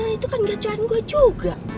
itu kan gacohan gua juga